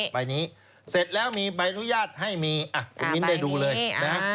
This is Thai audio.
ใบนี้เสร็จแล้วมีใบอนุญาตให้มีคุณมิ้นได้ดูเลยนะ